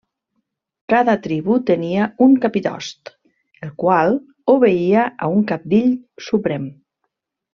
Cada tribu tenia un capitost, el qual obeïa a un cabdill suprem.